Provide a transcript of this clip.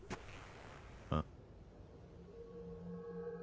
あっ。